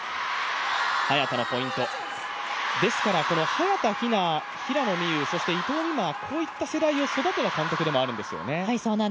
早田ひな、平野美宇、伊藤美誠、こういった世代を育てた監督であるんですよね。